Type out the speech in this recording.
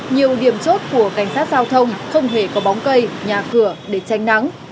nhiều điểm chốt của cảnh sát giao thông không hề có bóng cây nhà cửa để tranh nắng